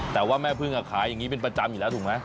แต่ว่าแม่พึ่งขายอย่างนี้เป็นประจำอยู่แล้วถูกไหม